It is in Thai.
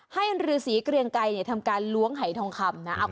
ให้อันฤษีเกรียงไก่ทำการล้วงให้ทองคำนะ